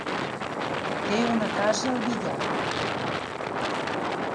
Té una casa al Villar.